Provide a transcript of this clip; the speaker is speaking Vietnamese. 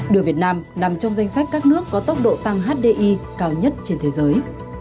đưa việt nam nằm trong danh sách các nước có tốc độ tăng hdi cao nhất trên thế giới